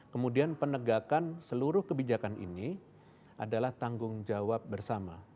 kemudian penegakan seluruh kebijakan ini adalah tanggung jawab bersama